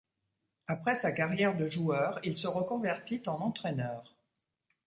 Après sa carrière de joueur, il se reconvertit en entraîneur.